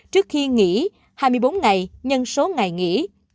trước khi nghỉ hai mươi bốn ngày nhân số ngày nghỉ